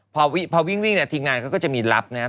พอวิ่งเนี่ยทีมงานก็จะมีรับนะฮะ